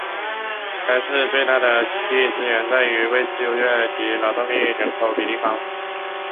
该市最大的经济资源在于位置优越及劳动人口比例高。